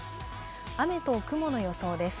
雨と雲の予想です。